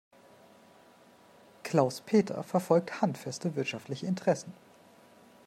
Klaus-Peter verfolgt handfeste wirtschaftliche Interessen.